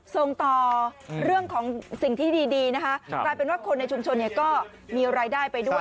ส่งต่อเรื่องของสิ่งที่ดีนะคะกลายเป็นว่าคนในชุมชนเนี่ยก็มีรายได้ไปด้วย